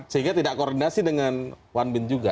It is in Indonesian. sehingga tidak koordinasi dengan one bin juga